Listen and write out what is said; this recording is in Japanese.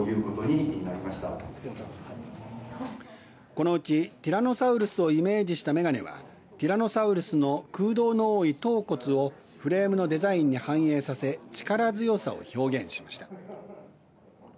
このうち、ティラノサウルスをイメージした眼鏡はティラノサウルスの空洞の多い頭骨をフレームのデザインに反映させ力強さを表現しました。